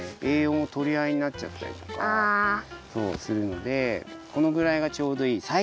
えいようもとりあいになっちゃったりとかするのでこのぐらいがちょうどいい。